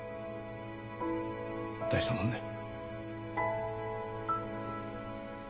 大したもんだよ。